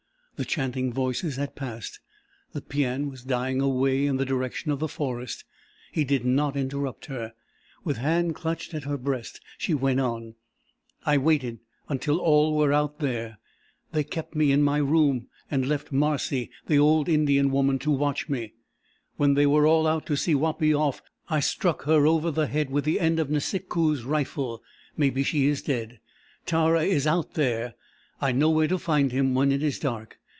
The chanting voices had passed. The paean was dying away in the direction of the forest. He did not interrupt her. With hand clutched at her breast she went on. "I waited until all were out there. They kept me in my room and left Marcee the old Indian woman to watch me. When they were all out to see Wapi off, I struck her over the head with the end of Nisikoos' rifle. Maybe she is dead. Tara is out there. I know where to find him when it is dark.